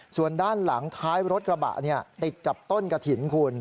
ส่วนด้านหลังท้ายรถกระบะติดกับต้นกระถิ่นคุณ